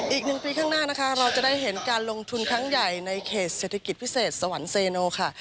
อีก๑ปีข้างหน้านะคะเราจะได้เห็นการลงทุนครั้งใหญ่ในเขตเศรษฐกิจพิเศษสวรรค์เซโนค่ะ